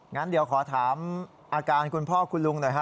งั้นเดี๋ยวขอถามอาการคุณพ่อคุณลุงหน่อยฮะ